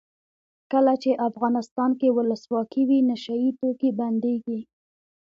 کله چې افغانستان کې ولسواکي وي نشه یي توکي بندیږي.